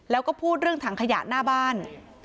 แล้วก็พูดเรื่องถังขยะหน้าบ้าน